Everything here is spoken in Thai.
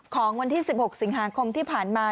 ของวันที่๑๖สิงหาคมที่ผ่านมา